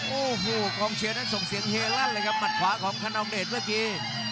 โอ้โหกองเชียร์นั้นส่งเสียงเฮลั่นเลยครับหมัดขวาของคนนองเดชเมื่อกี้